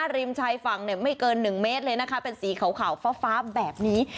ริมชายฝั่งเนี่ยไม่เกินหนึ่งเมตรเลยนะคะเป็นสีขาวขาวฟ้าฟ้าแบบนี้